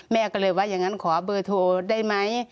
แม่ก็เลยว่าอย่างนั้นขอเบอร์โทรได้ไหม